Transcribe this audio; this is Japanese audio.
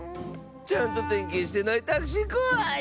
ちゃんとてんけんしてないタクシーこわいッス！